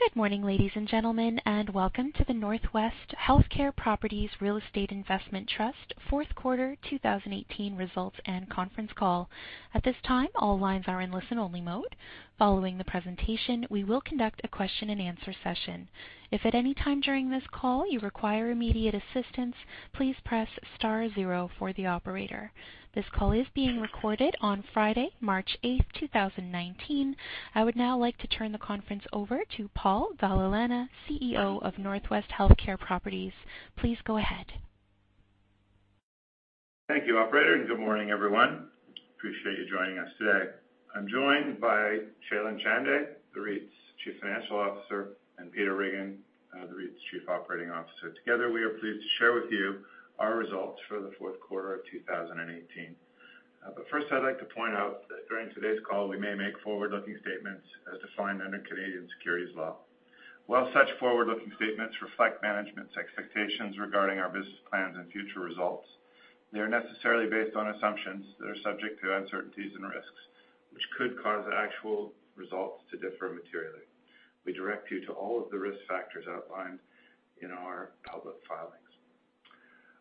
Good morning, ladies and gentlemen, welcome to the NorthWest Healthcare Properties Real Estate Investment Trust Q4 2018 results and conference call. At this time, all lines are in listen-only mode. Following the presentation, we will conduct a question and answer session. If at any time during this call you require immediate assistance, please press star zero for the operator. This call is being recorded on Friday, March 8, 2019. I would now like to turn the conference over to Paul Dalla Lana, CEO of NorthWest Healthcare Properties. Please go ahead. Thank you, operator. Good morning, everyone. Appreciate you joining us today. I am joined by Shailen Chande, the REIT's Chief Financial Officer, and Peter Riggin, the REIT's Chief Operating Officer. Together, we are pleased to share with you our results for the Q4 of 2018. First, I would like to point out that during today's call, we may make forward-looking statements as defined under Canadian securities law. While such forward-looking statements reflect management's expectations regarding our business plans and future results, they are necessarily based on assumptions that are subject to uncertainties and risks, which could cause actual results to differ materially. We direct you to all of the risk factors outlined in our public filings.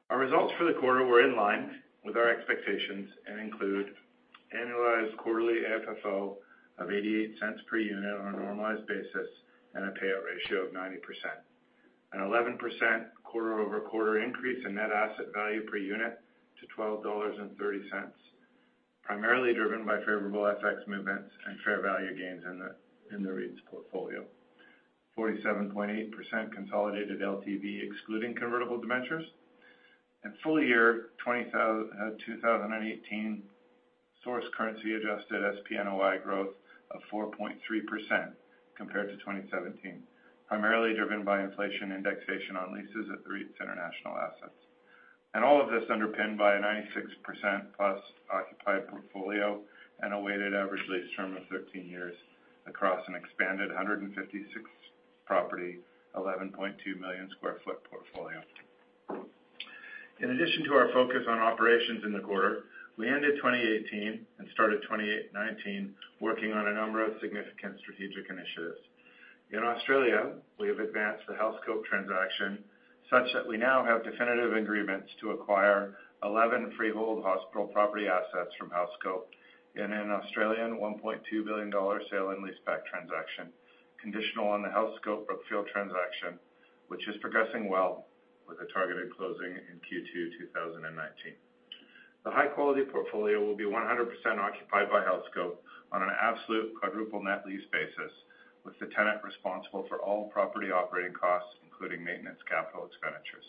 Our results for the quarter were in line with our expectations and include annualized quarterly AFFO of 0.88 per unit on a normalized basis and a payout ratio of 90%. An 11% quarter-over-quarter increase in net asset value per unit to 12.30 dollars, primarily driven by favorable FX movements and fair value gains in the REIT's portfolio. 47.8% consolidated LTV excluding convertible debentures, and full year 2018 source currency adjusted SPNOI growth of 4.3% compared to 2017, primarily driven by inflation indexation on leases at the REIT's international assets. All of this underpinned by a 96%+ occupied portfolio and a weighted average lease term of 13 years across an expanded 156 property, 11.2 million sq ft portfolio. In addition to our focus on operations in the quarter, we ended 2018 and started 2019 working on a number of significant strategic initiatives. In Australia, we have advanced the Healthscope transaction such that we now have definitive agreements to acquire 11 freehold hospital property assets from Healthscope and an 1.2 billion Australian dollars sale and leaseback transaction, conditional on the Healthscope Brookfield transaction, which is progressing well with a targeted closing in Q2 2019. The high-quality portfolio will be 100% occupied by Healthscope on an absolute quadruple net lease basis, with the tenant responsible for all property operating costs, including maintenance capital expenditures.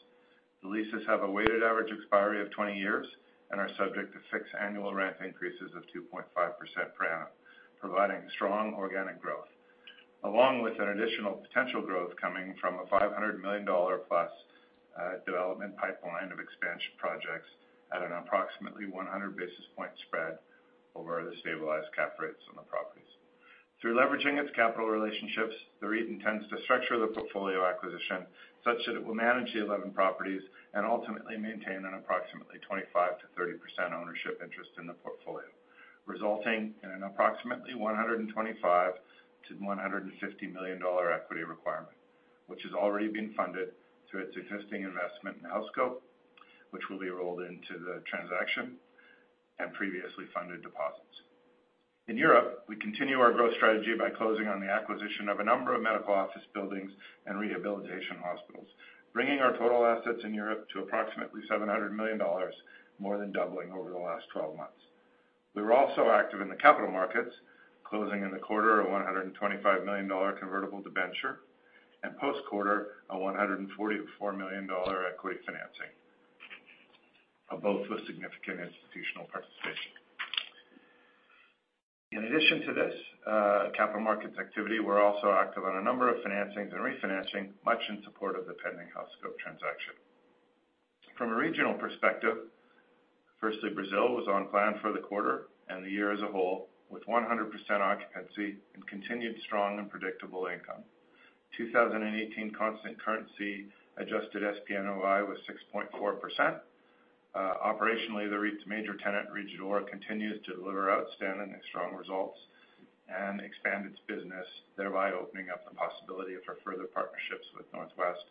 The leases have a weighted average expiry of 20 years and are subject to six annual rent increases of 2.5% per annum, providing strong organic growth, along with an additional potential growth coming from an 500 million dollar-plus development pipeline of expansion projects at an approximately 100 basis point spread over the stabilized cap rates on the properties. Through leveraging its capital relationships, the REIT intends to structure the portfolio acquisition such that it will manage the 11 properties and ultimately maintain an approximately 25%-30% ownership interest in the portfolio, resulting in an approximately 125 million-150 million dollar equity requirement, which has already been funded through its existing investment in Healthscope, which will be rolled into the transaction and previously funded deposits. In Europe, we continue our growth strategy by closing on the acquisition of a number of Medical Office Buildings and rehabilitation hospitals, bringing our total assets in Europe to approximately 700 million dollars, more than doubling over the last 12 months. We were also active in the capital markets, closing in the quarter a 125 million dollar convertible debenture, and post-quarter, a 144 million dollar equity financing, both with significant institutional participation. In addition to this, capital markets activity were also active on a number of financings and refinancing, much in support of the pending Healthscope transaction. From a regional perspective, firstly, Brazil was on plan for the quarter and the year as a whole, with 100% occupancy and continued strong and predictable income. 2018 constant currency adjusted SPNOI was 6.4%. Operationally, the REIT's major tenant, Rede D'Or, continues to deliver outstanding and strong results and expand its business, thereby opening up the possibility for further partnerships with NorthWest,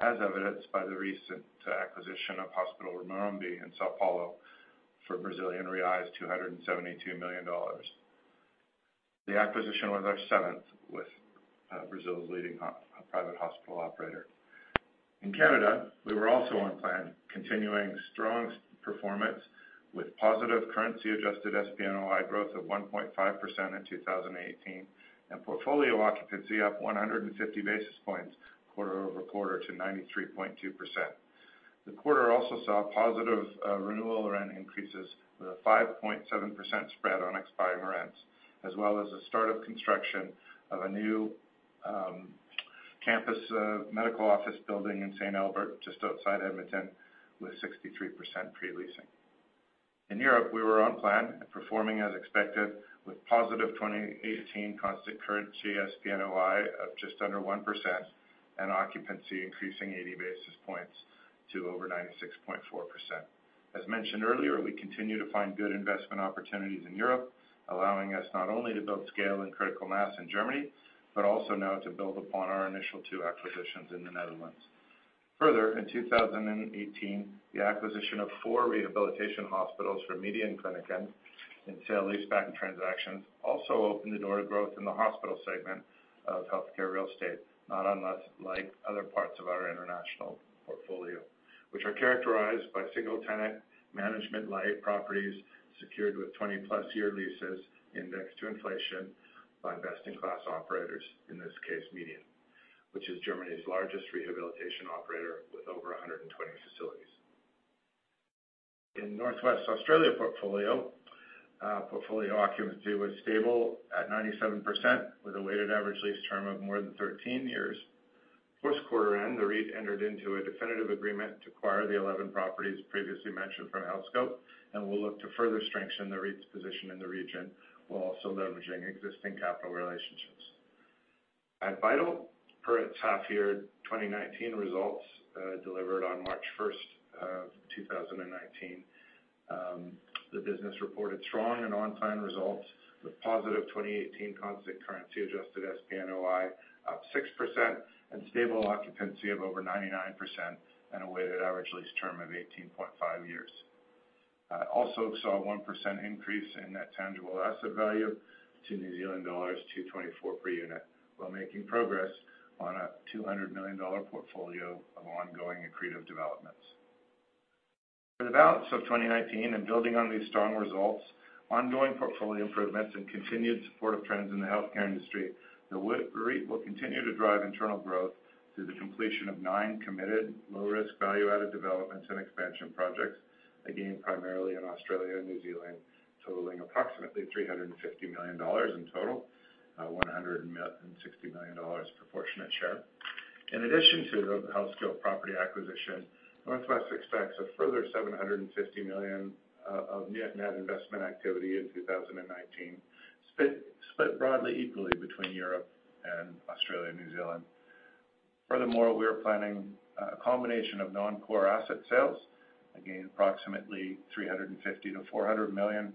as evidenced by the recent acquisition of Hospital São Luiz Morumbi in São Paulo for BRL 272 million. The acquisition was our seventh with Brazil's leading private hospital operator. In Canada, we were also on plan, continuing strong performance with positive currency-adjusted SPNOI growth of 1.5% in 2018 and portfolio occupancy up 150 basis points quarter-over-quarter to 93.2%. The quarter also saw positive renewal rent increases with a 5.7% spread on expiring rents, as well as the start of construction of a new campus Medical Office Building in St. Albert, just outside Edmonton, with 63% pre-leasing. In Europe, we were on plan and performing as expected with positive 2018 constant currency SPNOI of just under 1%. Occupancy increasing 80 basis points to over 96.4%. As mentioned earlier, we continue to find good investment opportunities in Europe, allowing us not only to build scale and critical mass in Germany, but also now to build upon our initial two acquisitions in the Netherlands. Further, in 2018, the acquisition of four rehabilitation hospitals for Median Kliniken in sale leaseback transactions also opened the door to growth in the hospital segment of healthcare real estate, not unlike other parts of our international portfolio, which are characterized by single-tenant management properties secured with 20-plus year leases indexed to inflation by best-in-class operators. In this case, Median, which is Germany's largest rehabilitation operator with over 120 facilities. In NorthWest Australia portfolio occupancy was stable at 97%, with a weighted average lease term of more than 13 years. First quarter-end, the REIT entered into a definitive agreement to acquire the 11 properties previously mentioned from Healthscope, and will look to further strengthen the REIT's position in the region, while also leveraging existing capital relationships. At Vital, per its half-year 2019 results delivered on March 1st of 2019, the business reported strong and on-time results, with positive 2018 constant currency adjusted SPNOI up 6%, and stable occupancy of over 99%, and a weighted average lease term of 18.5 years. Also saw a 1% increase in net tangible asset value to New Zealand dollars 2.24 per unit, while making progress on a 200 million dollar portfolio of ongoing accretive developments. For the balance of 2019, building on these strong results, ongoing portfolio improvements and continued supportive trends in the healthcare industry, the REIT will continue to drive internal growth through the completion of nine committed low-risk value-added developments and expansion projects, again, primarily in Australia and New Zealand, totaling approximately 350 million dollars in total, 160 million dollars proportionate share. In addition to the Healthscope property acquisition, Northwest expects a further 750 million of net investment activity in 2019, split broadly equally between Europe and Australia and New Zealand. Furthermore, we are planning a combination of non-core asset sales, again, approximately 350 million-NZD 400 million,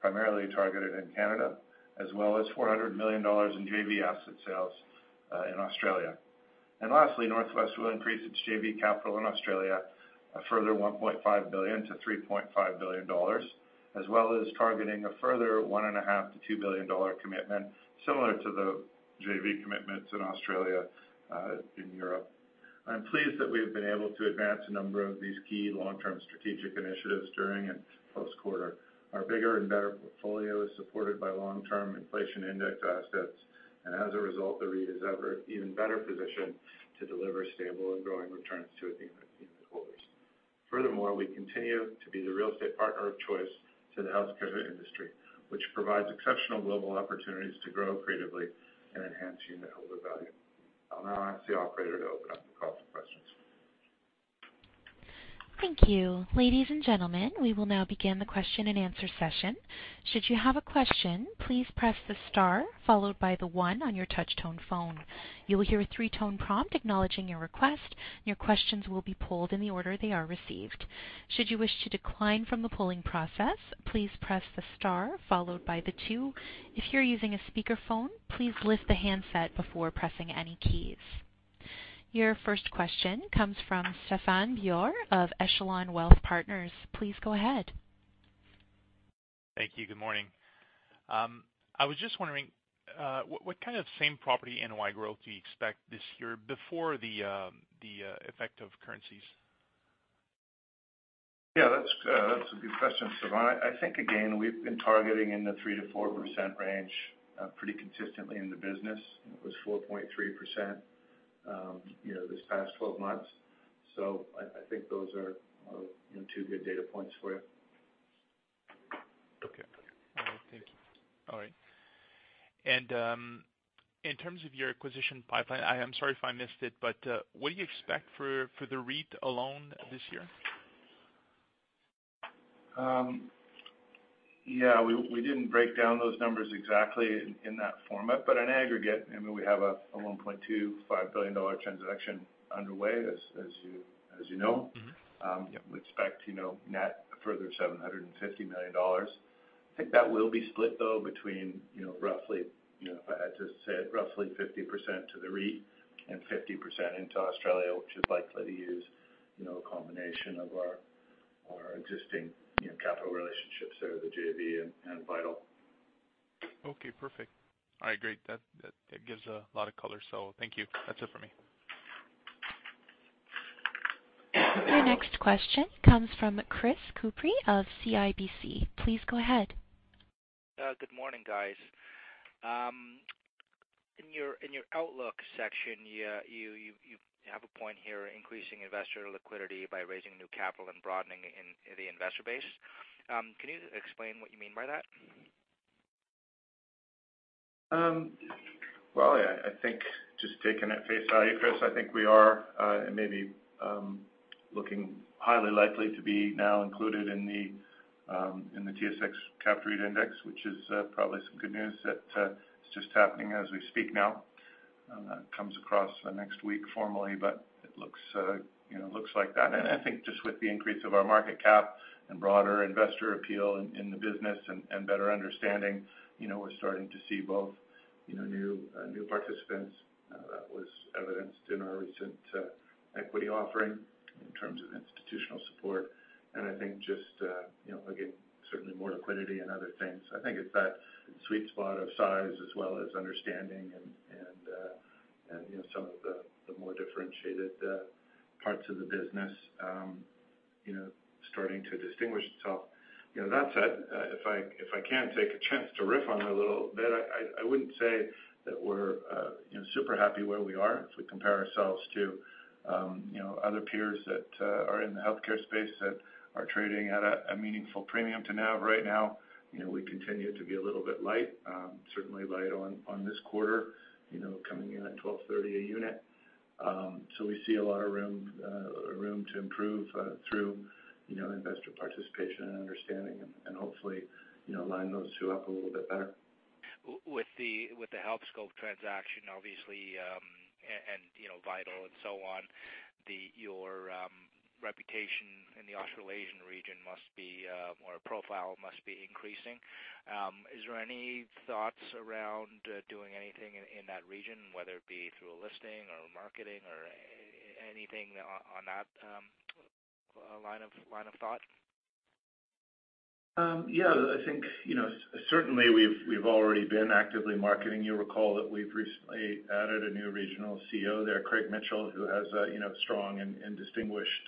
primarily targeted in Canada, as well as 400 million dollars in JV asset sales, in Australia. Lastly, Northwest will increase its JV capital in Australia a further 1.5 billion-3.5 billion dollars, as well as targeting a further 1.5 billion-2 billion dollar commitment, similar to the JV commitments in Australia, in Europe. I'm pleased that we've been able to advance a number of these key long-term strategic initiatives during and post-quarter. Our bigger and better portfolio is supported by long-term inflation-indexed assets. As a result, the REIT is even better positioned to deliver stable and growing returns to its unitholders. Furthermore, we continue to be the real estate partner of choice to the healthcare industry, which provides exceptional global opportunities to grow accretively and enhance unitholder value. I'll now ask the operator to open up the call for questions. Thank you. Ladies and gentlemen, we will now begin the question and answer session. Should you have a question, please press the star followed by the one on your touch tone phone. You will hear a three-tone prompt acknowledging your request, and your questions will be polled in the order they are received. Should you wish to decline from the polling process, please press the star followed by the two. If you're using a speakerphone, please lift the handset before pressing any keys. Your first question comes from Stephan Boire of Echelon Wealth Partners. Please go ahead. Thank you. Good morning. I was just wondering, what kind of same property NOI growth do you expect this year before the effect of currencies? That's a good question, Stephan. I think, again, we've been targeting in the 3%-4% range pretty consistently in the business. It was 4.3% this past 12 months. I think those are two good data points for you. Okay. All right, thank you. All right. In terms of your acquisition pipeline, I'm sorry if I missed it, but what do you expect for the REIT alone this year? We didn't break down those numbers exactly in that format, in aggregate, we have a 1.25 billion dollar transaction underway as you know. We expect net a further 750 million dollars. I think that will be split, though, between roughly, if I had to say it, roughly 50% to the REIT and 50% into Australia, which is likely to use a combination of our existing capital relationships there, the JV and Vital. Okay, perfect. All right, great. That gives a lot of color. Thank you. That's it for me. Our next question comes from Chris Couprie of CIBC. Please go ahead. Good morning, guys. In your outlook section, you have a point here, increasing investor liquidity by raising new capital and broadening the investor base. Can you explain what you mean by that? Taking it face value, Chris, I think we are looking highly likely to be now included in the TSX Composite Index, which is probably some good news that is just happening as we speak now. That comes across the next week formally, but it looks like that. I think just with the increase of our market cap and broader investor appeal in the business and better understanding, we're starting to see both new participants. That was evidenced in our recent equity offering in terms of institutional support. I think just, again, certainly more liquidity and other things. I think it's that sweet spot of size as well as understanding and some of the more differentiated parts of the business starting to distinguish itself. That said, if I can take a chance to riff on it a little bit, I wouldn't say that we're super happy where we are if we compare ourselves to other peers that are in the healthcare space that are trading at a meaningful premium to NAV right now. We continue to be a little bit light. Certainly light on this quarter, coming in at 12.30 a unit. We see a lot of room to improve through investor participation and understanding and hopefully, align those two up a little bit better. With the Healthscope transaction, obviously, and Vital and so on, your reputation in the Australasian region must be, or profile must be increasing. Is there any thoughts around doing anything in that region, whether it be through a listing or marketing or anything on that line of thought? Certainly we've already been actively marketing. You'll recall that we've recently added a new regional CEO there, Craig Mitchell, who has a strong and distinguished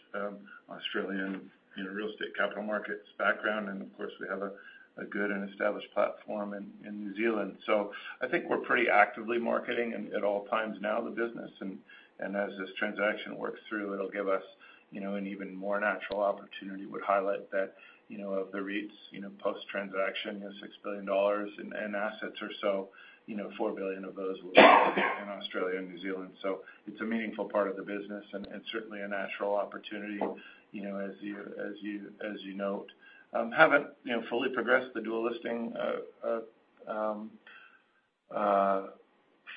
Australian real estate capital markets background. Of course, we have a good and established platform in New Zealand. I think we're pretty actively marketing at all times now the business. As this transaction works through, it'll give us an even more natural opportunity. We highlight that of the REITs post-transaction, the 6 billion dollars in assets or so, 4 billion of those will be in Australia and New Zealand. It's a meaningful part of the business and certainly a natural opportunity, as you note. Haven't fully progressed the dual listing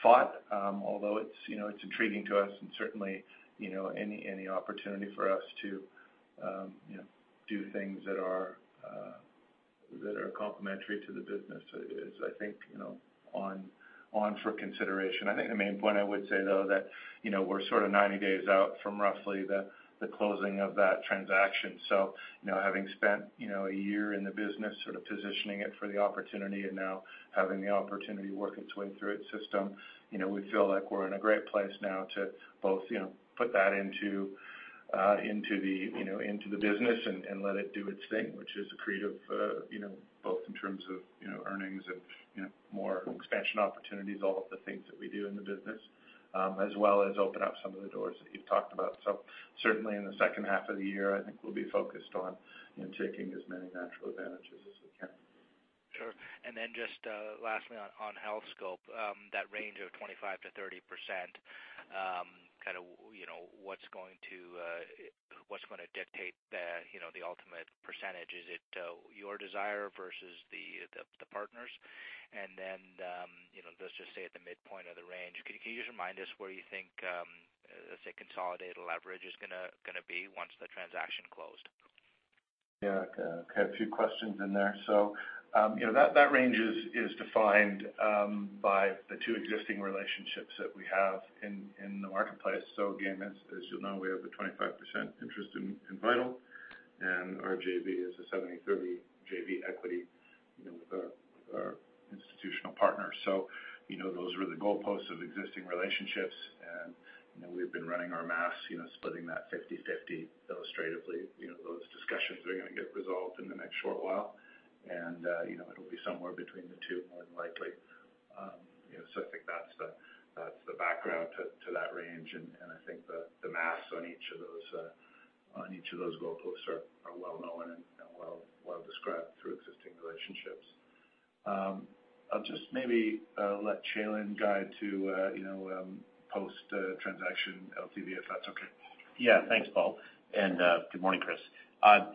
thought although it's intriguing to us and certainly, any opportunity for us to do things that are complementary to the business is, I think, on for consideration. I think the main point I would say, though, that we're sort of 90 days out from roughly the closing of that transaction. Having spent a year in the business sort of positioning it for the opportunity and now having the opportunity work its way through its system, we feel like we're in a great place now to both put that into the business and let it do its thing, which is accretive both in terms of earnings and more expansion opportunities, all of the things that we do in the business, as well as open up some of the doors that you've talked about. Certainly in the second half of the year, I think we'll be focused on taking as many natural advantages as we can. Sure. Just lastly on Healthscope, that range of 25%-30%, what's going to dictate the ultimate percentage? Is it your desire versus the partners? Let's just say at the midpoint of the range, can you just remind us where you think, let's say, consolidated leverage is going to be once the transaction closed? Yeah. Okay, a few questions in there. That range is defined by the two existing relationships that we have in the marketplace. Again, as you'll know, we have a 25% interest in Vital, and our JV is a 70/30 JV equity, with our institutional partners. Those are the goalposts of existing relationships. We've been running our maths splitting that 50/50 illustratively. Those discussions are going to get resolved in the next short while. It'll be somewhere between the two, more than likely. I think that's the background to that range. I think the maths on each of those goalposts are well known and well described through existing relationships. I'll just maybe let Shailen guide to post-transaction LTV, if that's okay. Yeah. Thanks, Paul. Good morning, Chris.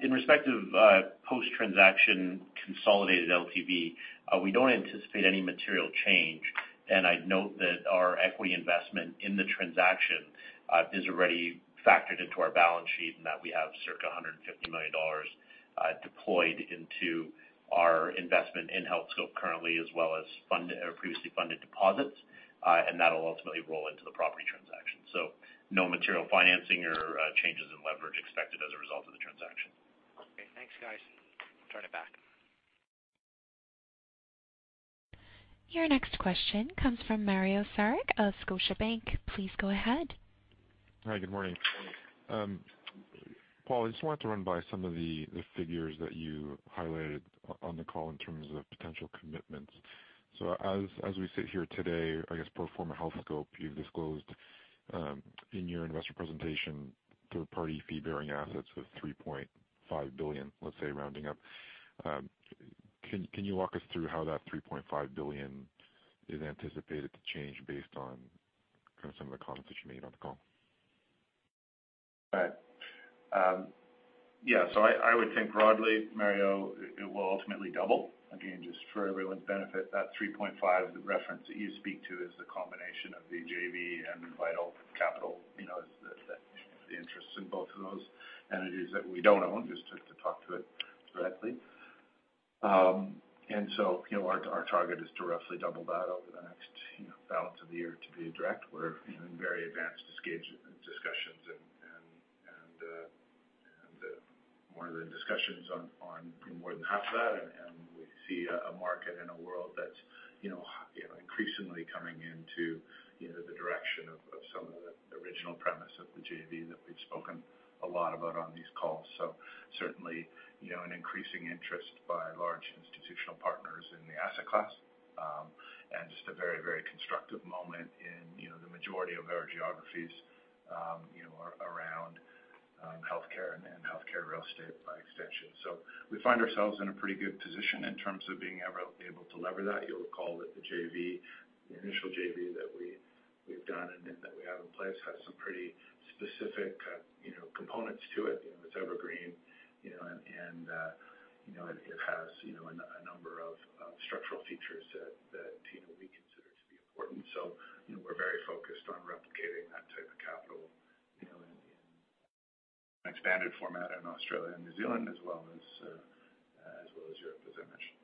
In respect of post-transaction consolidated LTV, we don't anticipate any material change. I'd note that our equity investment in the transaction is already factored into our balance sheet and that we have circa 150 million dollars deployed into our investment in Healthscope currently, as well as previously funded deposits. That'll ultimately roll into the property transaction. No material financing or changes in leverage expected as a result of the transaction. Okay, thanks guys. Turn it back. Your next question comes from Mario Saric of Scotiabank. Please go ahead. Hi, good morning. Morning. Paul, I just wanted to run by some of the figures that you highlighted on the call in terms of potential commitments. As we sit here today, I guess pro forma Healthscope, you've disclosed in your investor presentation third-party fee-bearing assets of 3.5 billion, let's say, rounding up. Can you walk us through how that 3.5 billion is anticipated to change based on some of the comments that you made on the call? Right. Yeah. I would think broadly, Mario, it will ultimately double. Again, just for everyone's benefit, that 3.5, the reference that you speak to is the combination of the JV and Vital Capital, the interests in both of those entities that we don't own, just to talk to it directly. Our target is to roughly double that over the next balance of the year to be direct. We're in very advanced stage discussions and more of the discussions on more than half of that, and we see a market and a world that's increasingly coming into the direction of some of the original premise of the JV that we've spoken a lot about on these calls. Certainly, an increasing interest by large institutional partners in the asset class, and just a very constructive moment in the majority of our geographies around healthcare and healthcare real estate by extension. We find ourselves in a pretty good position in terms of being able to lever that. You'll recall that the initial JV that we've done and that we have in place has some pretty specific components to it. It's evergreen, and it has a number of structural features that we consider to be important. We're very focused on replicating that type of capital in an expanded format in Australia and New Zealand, as well as Europe, as I mentioned.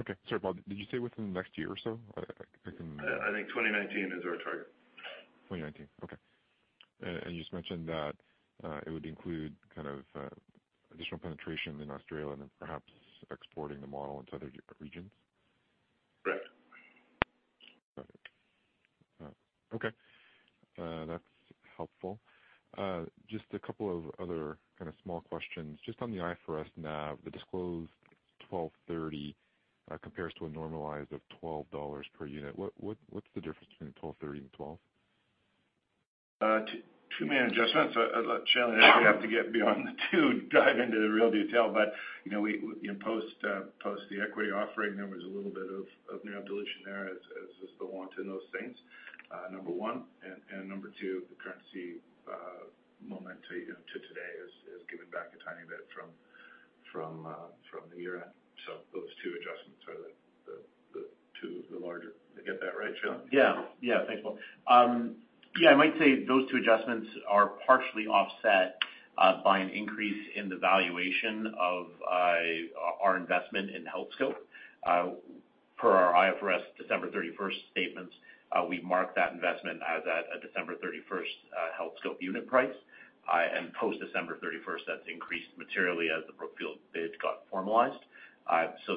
Okay. Sorry, Paul, did you say within the next year or so? I think 2019 is our target. 2019. Okay. You just mentioned that it would include kind of additional penetration in Australia then perhaps exporting the model into other regions? Right. Got it. Okay. That's helpful. Just a couple of other kind of small questions. Just on the IFRS NAV, the disclosed 12.30 compares to a normalized of 12 dollars per unit. What's the difference between 12.30 and 12? Two main adjustments. I'd let Shailen and Eric have to get beyond the two to dive into the real detail, but post the equity offering, there was a little bit of near dilution there as is the want in those things, number one. Number two, the currency momentum to today has given back a tiny bit from the year-end. Those two adjustments are the larger. Did I get that right, Shailen? Yeah. Thanks, Paul. Yeah, I might say those two adjustments are partially offset by an increase in the valuation of our investment in Healthscope. Per our IFRS December 31st statements, we marked that investment as at a December 31st Healthscope unit price. Post December 31st, that has increased materially as the Brookfield bid got formalized.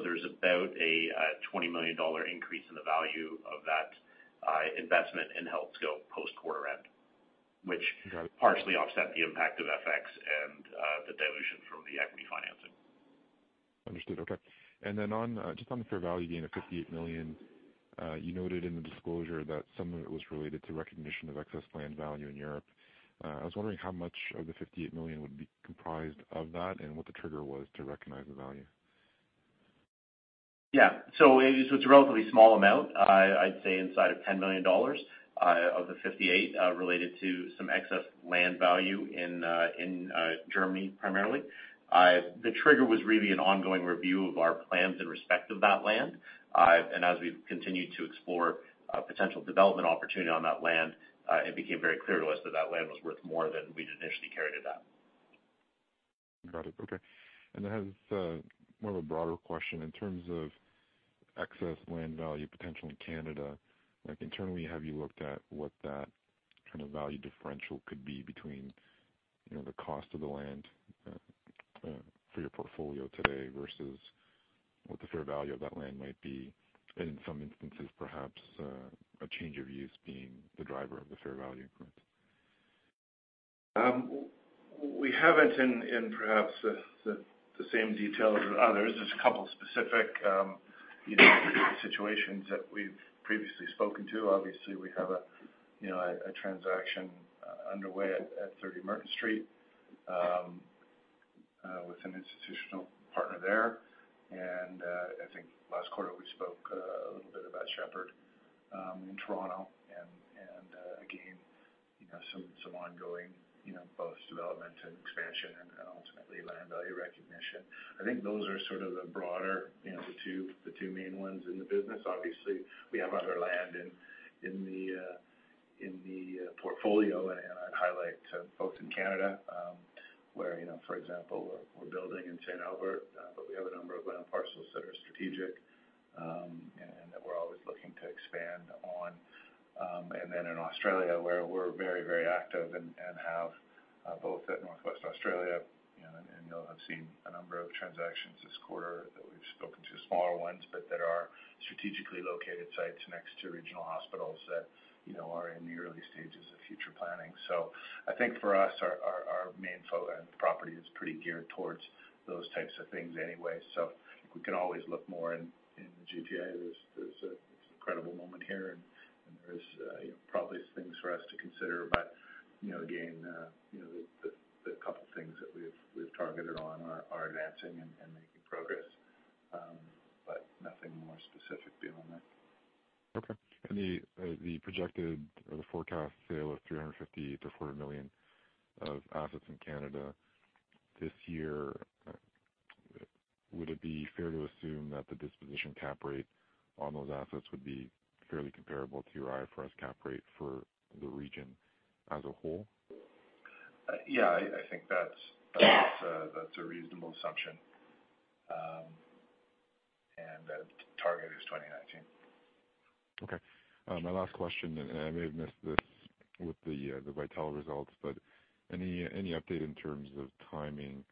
There is about a 20 million dollar increase in the value of that investment in Healthscope post-quarter end, which Got it. Partially offset the impact of FX and the dilution from the equity financing. Understood. Okay. Just on the fair value gain of 58 million, you noted in the disclosure that some of it was related to recognition of excess land value in Europe. I was wondering how much of the 58 million would be comprised of that and what the trigger was to recognize the value. It's a relatively small amount, I'd say inside of 10 million dollars of the 58 million, related to some excess land value in Germany, primarily. The trigger was really an ongoing review of our plans in respect of that land. As we've continued to explore a potential development opportunity on that land, it became very clear to us that that land was worth more than we'd initially carried it at. Got it. Okay. As more of a broader question, in terms of excess land value potential in Canada, internally, have you looked at what that kind of value differential could be between the cost of the land for your portfolio today versus what the fair value of that land might be, and in some instances, perhaps a change of use being the driver of the fair value increase? We haven't in perhaps the same detail as others. There's a couple of specific situations that we've previously spoken to. Obviously, we have a transaction underway at 30 Merchant Street with an institutional partner there. I think last quarter we spoke a little bit about Sheppard in Toronto. Again, some ongoing both development and expansion and ultimately land value recognition. I think those are sort of the broader, the two main ones in the business. Obviously, we have other land in the portfolio, and I'd highlight both in Canada, where, for example, we're building in St. Albert, but we have a number of land parcels that are strategic, and that we're always looking to expand on. In Australia, where we're very active and have both at NorthWest Australia, you'll have seen a number of transactions this quarter that we've spoken to, smaller ones, but that are strategically located sites next to regional hospitals that are in the early stages of future planning. I think for us, our main focus on property is pretty geared towards those types of things anyway. I think we can always look more in the GTA. There's an incredible moment here and there is probably things for us to consider, again, the couple of things that we've targeted on are advancing and making progress, nothing more specific beyond that. Okay. The projected or the forecast sale of 350 million-400 million of assets in Canada this year, would it be fair to assume that the disposition cap rate on those assets would be fairly comparable to your IFRS cap rate for the region as a whole? Yeah, I think that's a reasonable assumption. That target is 2019. Okay. My last question, and I may have missed this with the Vital results, but any update in terms of timing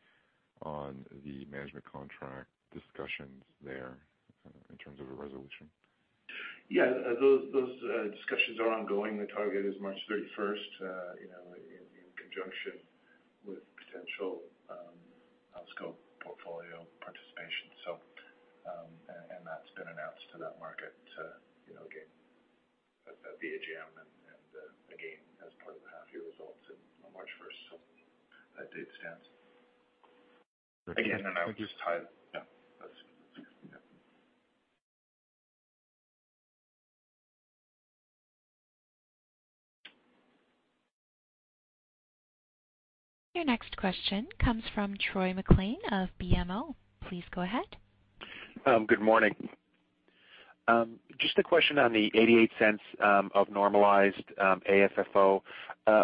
on the management contract discussions there in terms of a resolution? Yeah, those discussions are ongoing. The target is March 31st, in conjunction with potential Healthscope portfolio participation. That's been announced to that market again at the AGM and again as part of the half year results on March 1st. That date stands. Okay. Again, I would just highlight. Yeah. That's it. Yeah. Your next question comes from Troy MacLean of BMO. Please go ahead. Good morning. Just a question on the 0.88 of normalized AFFO.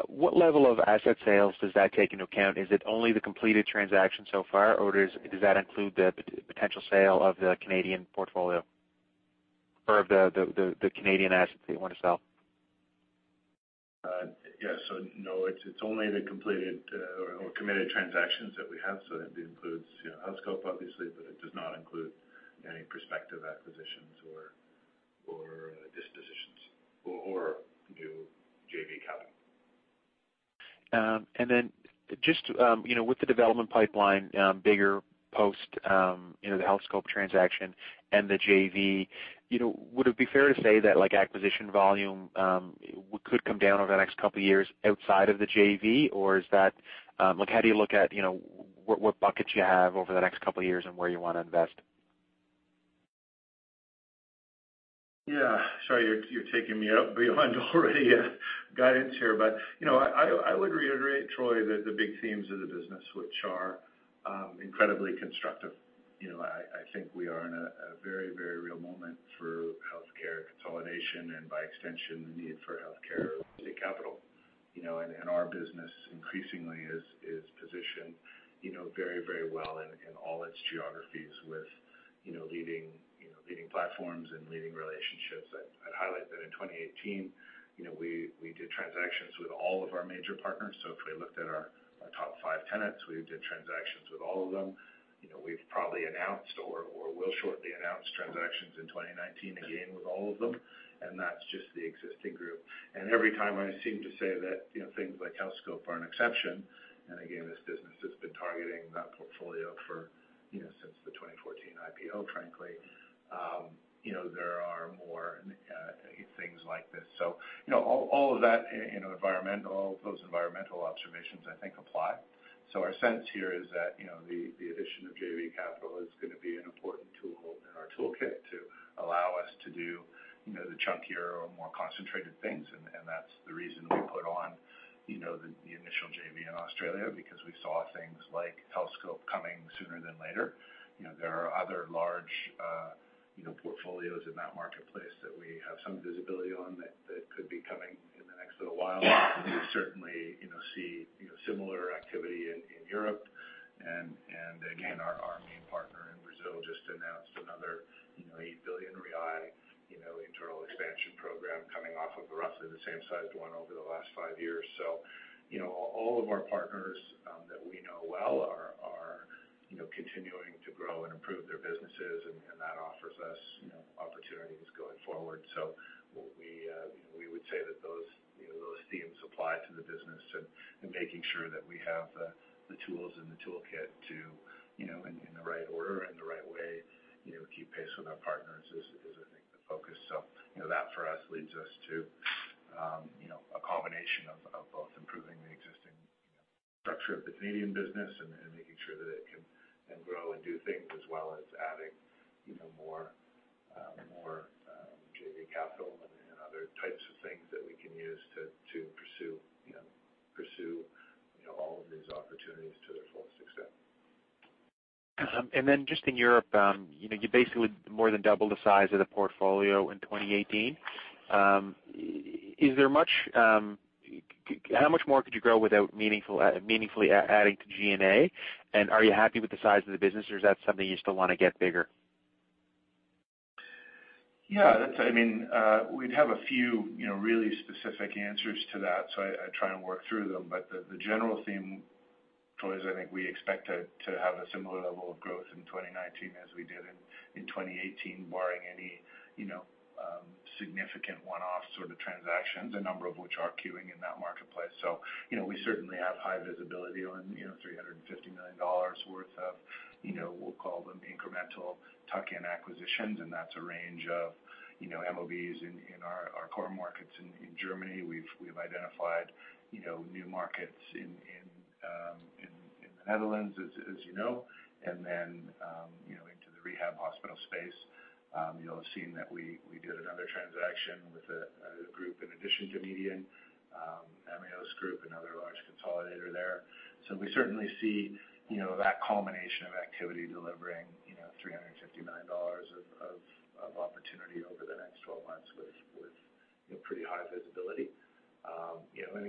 What level of asset sales does that take into account? Is it only the completed transaction so far, or does that include the potential sale of the Canadian portfolio or of the Canadian assets that you want to sell? Yeah. No, it's only the completed or committed transactions that we have. It includes Healthscope, obviously, but it does not include any prospective acquisitions or dispositions or new JV capital. Just with the development pipeline bigger post the Healthscope transaction and the JV, would it be fair to say that acquisition volume could come down over the next couple of years outside of the JV? Or how do you look at what buckets you have over the next couple of years and where you want to invest? Yeah. Sorry, you're taking me out beyond already guidance here, but I would reiterate, Troy, that the big themes of the business, which are incredibly constructive. I think we are in a very real moment for healthcare consolidation and by extension, the need for healthcare-related capital. Our business increasingly is positioned very well in all its geographies with leading platforms and leading relationships. I'd highlight that in 2018, we did transactions with all of our major partners. So if we looked at our top five tenants, we did transactions with all of them. We've probably announced or will shortly announce transactions in 2019 again with all of them. That's just the existing group. Every time I seem to say that things like Healthscope are an exception, again, this business has been targeting that portfolio since the 2014 IPO, frankly. There are more things like this. All of those environmental observations, I think apply. Our sense here is that the addition of JV Capital is going to be an important tool in our toolkit to allow us to do the chunkier or more concentrated things. That's the reason we put on the initial JV in Australia because we saw things like Healthscope coming sooner than later. There are other large portfolios in that marketplace that we have some visibility on that could be coming in the next little while. We certainly see similar activity in Europe. Again, our main partner in Brazil just announced another BRL 8 billion internal expansion program coming off of roughly the same sized one over the last five years. All of our partners that we know well are continuing to grow and improve their businesses. That offers us opportunities going forward. We would say that those themes apply to the business, making sure that we have the tools in the toolkit in the right order and the right way to keep pace with our partners is I think the focus. That for us leads us to a combination of both improving the existing structure of the Canadian business, making sure that it can grow and do things as well as adding even more JV capital and other types of things that we can use to pursue all of these opportunities to their fullest extent. In Europe, you basically more than doubled the size of the portfolio in 2018. How much more could you grow without meaningfully adding to G&A? Are you happy with the size of the business or is that something you still want to get bigger? We'd have a few really specific answers to that, so I try and work through them. The general theme, Troy, is I think we expect to have a similar level of growth in 2019 as we did in 2018, barring any significant one-off sort of transactions, a number of which are queuing in that marketplace. We certainly have high visibility on 350 million dollars worth of, we'll call them incremental tuck-in acquisitions, and that's a range of MOBs in our core markets in Germany. We've identified new markets in the Netherlands, as you know, and into the rehab hospital space. You'll have seen that we did another transaction with a group in addition to Median, AMEOS Group, another large consolidator there. We certainly see that culmination of activity delivering 359 dollars of opportunity over the next 12 months with pretty high visibility.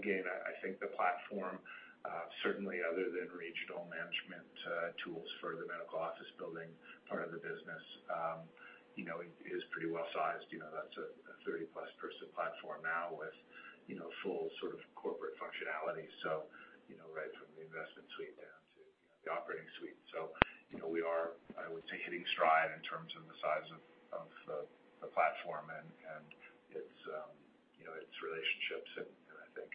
Again, I think the platform, certainly other than regional management tools for the medical office building part of the business, is pretty well-sized. That's a 30-plus person platform now with full corporate functionality, right from the investment suite down to the operating suite. We are, I would say, hitting stride in terms of the size of the platform and its relationships, and I think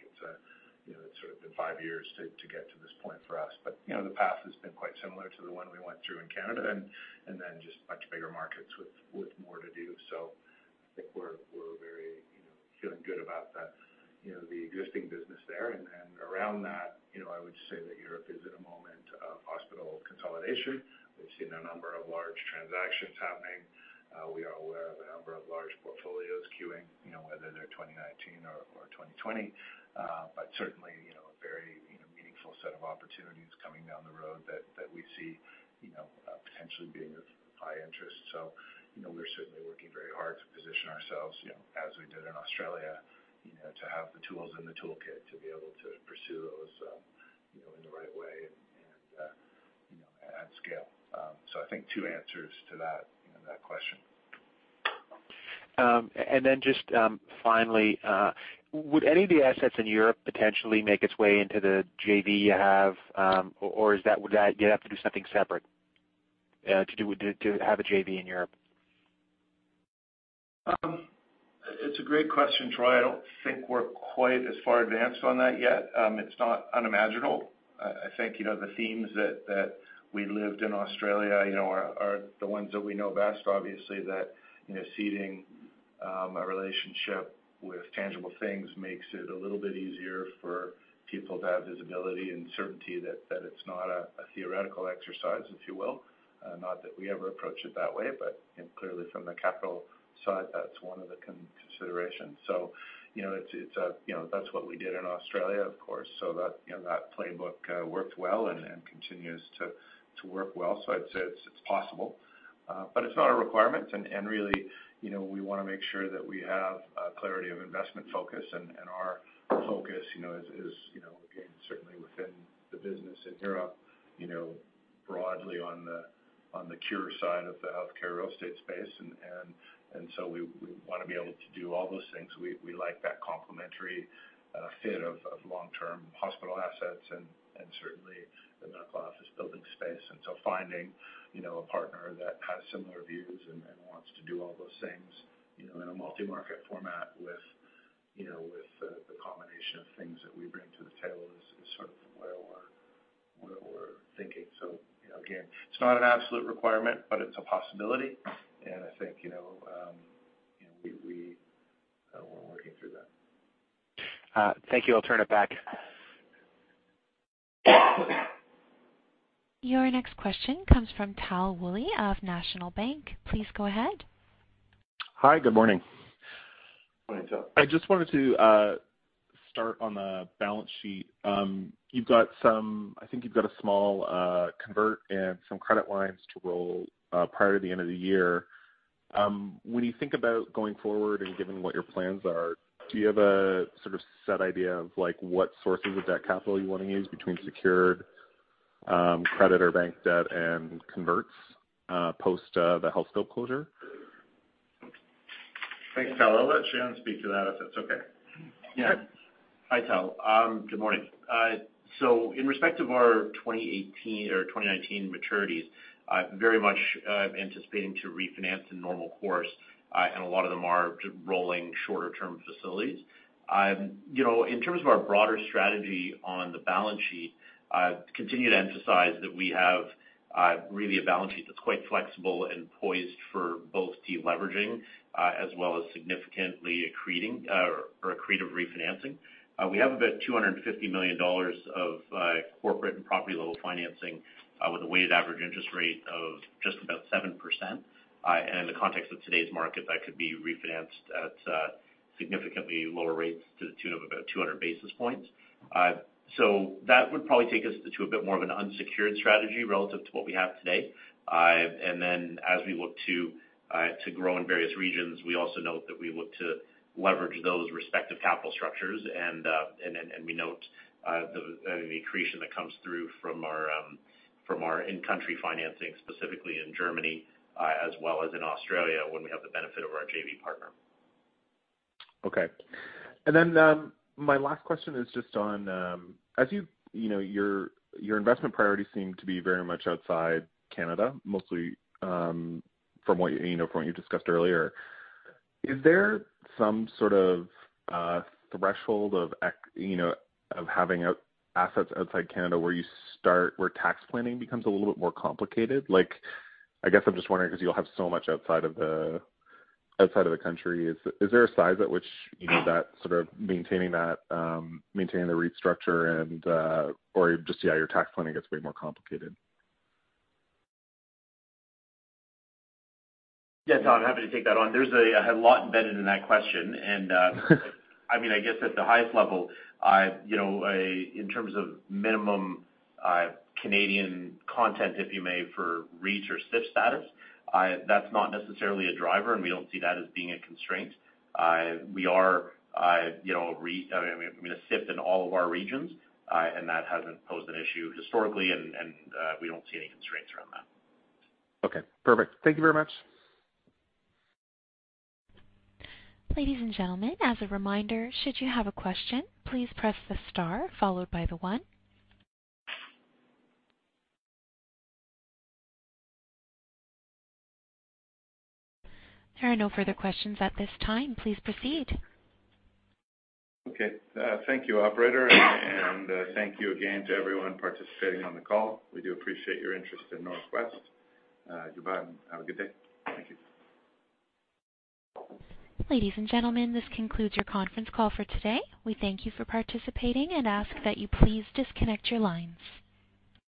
it's sort of been five years to get to this point for us. The path has been quite similar to the one we went through in Canada, and just much bigger markets with more to do. I think we're very feeling good about the existing business there. Around that, I would say that Europe is in a moment of hospital consolidation. We've seen a number of large transactions happening. We are aware of a number of large portfolios queuing, whether they're 2019 or 2020. Certainly, a very meaningful set of opportunities coming down the road that we see potentially being of high interest. We're certainly working very hard to position ourselves, as we did in Australia, to have the tools in the toolkit to be able to pursue those in the right way and at scale. I think two answers to that question. Would any of the assets in Europe potentially make its way into the JV you have? Or do you have to do something separate to have a JV in Europe? It's a great question, Troy. I don't think we're quite as far advanced on that yet. It's not unimaginable. I think, the themes that we lived in Australia are the ones that we know best, obviously. That seeding a relationship with tangible things makes it a little bit easier for people to have visibility and certainty that it's not a theoretical exercise, if you will. Not that we ever approach it that way, but clearly from the capital side, that's one of the considerations. That's what we did in Australia, of course, so that playbook worked well and continues to work well. I'd say it's possible. It's not a requirement, and really, we want to make sure that we have clarity of investment focus, and our focus is, again, certainly within the business in Europe, broadly on the cure side of the healthcare real estate space. We want to be able to do all those things. We like that complementary fit of long-term hospital assets and certainly the medical office building space. Finding a partner that has similar views and wants to do all those things in a multi-market format with the combination of things that we bring to the table is sort of where we're thinking. Again, it's not an absolute requirement, but it's a possibility, and I think we're working through that. Thank you. I'll turn it back. Your next question comes from Tal Woolley of National Bank. Please go ahead. Hi. Good morning. Morning, Tal. I just wanted to start on the balance sheet. I think you've got a small convert and some credit lines to roll prior to the end of the year. When you think about going forward and given what your plans are, do you have a sort of set idea of what sources of that capital you want to use between secured credit or bank debt and converts post the Healthscope closure? Thanks, Tal. I'll let Shailen speak to that if that's okay. Yeah. Hi, Tal. Good morning. In respect of our 2018 or 2019 maturities, I'm very much anticipating to refinance in normal course. A lot of them are rolling shorter-term facilities. In terms of our broader strategy on the balance sheet, I continue to emphasize that we have really a balance sheet that's quite flexible and poised for both deleveraging as well as significantly accretive refinancing. We have about 250 million dollars of corporate and property level financing with a weighted average interest rate of just about 7%. In the context of today's market, that could be refinanced at significantly lower rates to the tune of about 200 basis points. That would probably take us to a bit more of an unsecured strategy relative to what we have today. As we look to grow in various regions, we also note that we look to leverage those respective capital structures, and we note the accretion that comes through from our in-country financing, specifically in Germany as well as in Australia when we have the benefit of our JV partner. Okay. My last question is just on, as your investment priorities seem to be very much outside Canada, mostly from what you discussed earlier. Is there some sort of threshold of having assets outside Canada where tax planning becomes a little bit more complicated? I guess I'm just wondering because you'll have so much outside of the country. Is there a size at which maintaining the REIT structure or just your tax planning gets way more complicated? Yeah, Tal, I'm happy to take that on. There's a lot embedded in that question. I guess at the highest level, in terms of minimum Canadian content, if you may, for REIT or SIFT status, that's not necessarily a driver, and we don't see that as being a constraint. We are a SIFT in all of our regions. That hasn't posed an issue historically, and we don't see any constraints around that. Okay, perfect. Thank you very much. Ladies and gentlemen, as a reminder, should you have a question, please press the star followed by the one. There are no further questions at this time. Please proceed. Okay. Thank you, operator. Thank you again to everyone participating on the call. We do appreciate your interest in NorthWest. Goodbye, and have a good day. Thank you. Ladies and gentlemen, this concludes your conference call for today. We thank you for participating and ask that you please disconnect your lines.